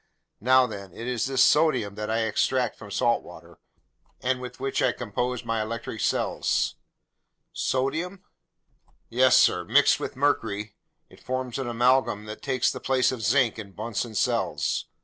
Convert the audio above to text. Now then, it's this sodium that I extract from salt water and with which I compose my electric cells." "Sodium?" "Yes, sir. Mixed with mercury, it forms an amalgam that takes the place of zinc in Bunsen cells.